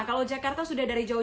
kalau jakarta sudah dari jawa timur